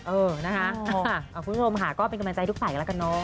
เออนะคะคุณผู้ชมค่ะก็เป็นกำลังใจทุกฝ่ายกันแล้วกันเนาะ